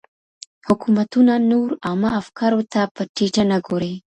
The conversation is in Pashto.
حکومتونه نور عامه افکارو ته په ټيټه نه ګوري.